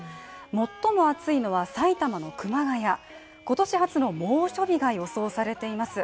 最も暑いのは埼玉の熊谷今年初の猛暑日が予想されています。